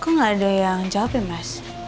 kok nggak ada yang jawabin mas